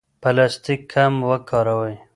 پلاستیک کم وکاروئ.